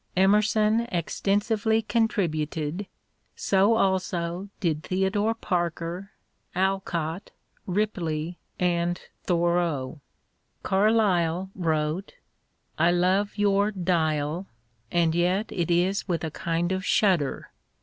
Emerson extensively contributed, so also did Theodore Parker, Alcott, Ripley, and Thoreau. Carlyle wrote : I love your Dial and yet it is with, a kind of shudder.